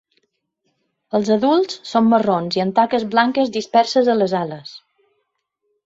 Els adults són marrons i amb taques blanques disperses a les ales.